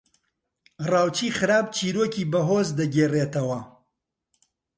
راوچیی خراپ چیرۆکی بەهۆز دەگێڕێتەوە